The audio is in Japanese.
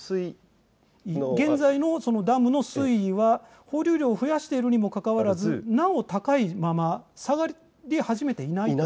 現在のダムの水位は、放流量を増やしているのにもかかわらずなお高いまま下がり始めていない。